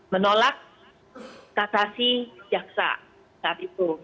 menolak kasasi jaksa saat itu